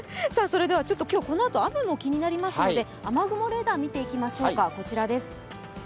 それでは、このあと雨も気になりますので雨雲レーダー見ていきましょうか、こちらです。